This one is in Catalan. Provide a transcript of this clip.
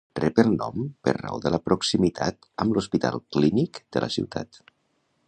Rep el nom per raó de la proximitat amb l'Hospital Clínic de la ciutat.